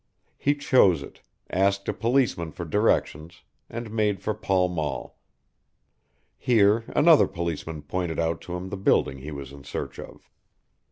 He chose it, asked a policeman for directions, and made for Pall Mall. Here another policeman pointed out to him the building he was in search of.